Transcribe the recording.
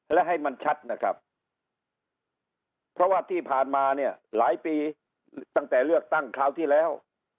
และให้มันชัดนะครับเพราะว่าที่ผ่านมาเนี่ยหลายปีตั้งแต่เลือกตั้งคราวที่แล้ว